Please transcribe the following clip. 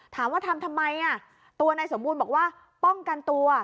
ถามว่าทำทำไมตัวนายสมบูรณ์บอกว่าป้องกันตัว